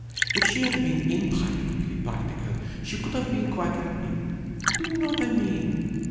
If she had been impractically practical she could have been quite happy. Do you know what I mean?